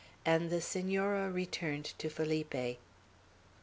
And the Senora returned to Felipe.